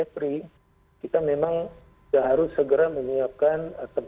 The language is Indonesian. terima kasih pak